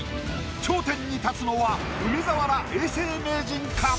頂点に立つのは梅沢ら永世名人か？